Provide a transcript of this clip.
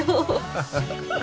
ハハハハ。